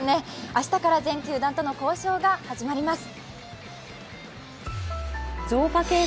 明日から全球団との交渉が始まります。